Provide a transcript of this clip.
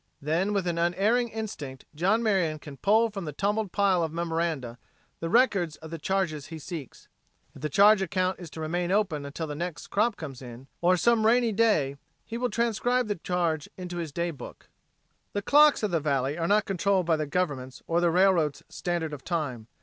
Then, with an unerring instinct, John Marion can pull from the tumbled pile of memoranda the records of the charges he seeks. If the charge account is to remain open until the next crop comes in, on some rainy day he will transcribe the charge to his day book. The clocks of the valley are not controlled by the government's or the railroads' standard of time.